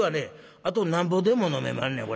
あとなんぼでも飲めまんねんこれ」。